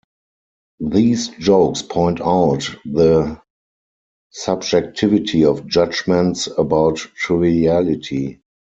These jokes point out the subjectivity of judgments about triviality.